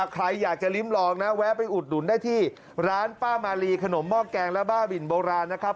ใครอยากจะลิ้มลองนะแวะไปอุดหนุนได้ที่ร้านป้ามาลีขนมหม้อแกงและบ้าบินโบราณนะครับ